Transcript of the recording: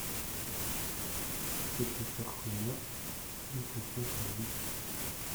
C’est plus fort que moi… je n’ai aucune confiance en lui !…